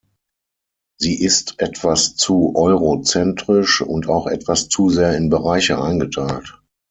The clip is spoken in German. Sie ist etwas zu eurozentrisch und auch etwas zu sehr in Bereiche eingeteilt.